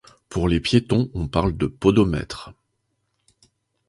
Pour les piétons, on parle de podomètre.